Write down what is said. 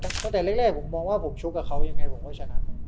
ตั้งแต่แรกผมมองว่าผมชกกับเขายังไงผมก็ชนะ